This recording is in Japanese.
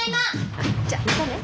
あっじゃまたね。